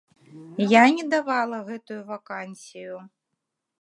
Я не давала гэтую вакансію.